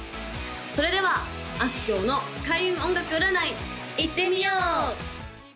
それではあすきょうの開運音楽占いいってみよう！